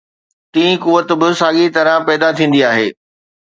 ٽين قوت به ساڳيءَ طرح پيدا ٿيندي آهي.